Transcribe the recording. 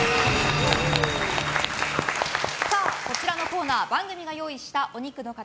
こちらのコーナー番組が用意したお肉の塊